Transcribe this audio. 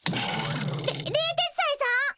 れ冷徹斎さん？